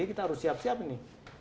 kita harus siap siap ini